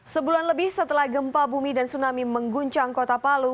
sebulan lebih setelah gempa bumi dan tsunami mengguncang kota palu